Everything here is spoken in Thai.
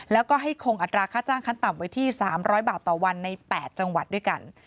แล้วก็ให้คงอัตราค่าจ้างขั้นต่ำไว้ที่๓๐๐บาทต่อวันใน๘จังหวัดด้วยกัน